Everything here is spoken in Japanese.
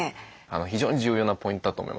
非常に重要なポイントだと思います。